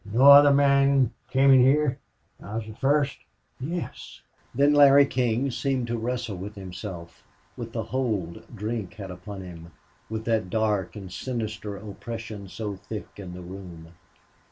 "No other man came in heah? I was the first?" "Yes." Then Larry King seemed to wrestle with himself with the hold drink had upon him with that dark and sinister oppression so thick in the room.